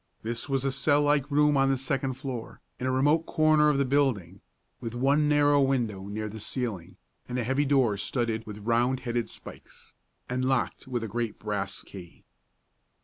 This was a cell like room, on the second floor, in a remote corner of the building, with one narrow window near the ceiling, and a heavy door studded with round headed spikes, and locked with a great brass key.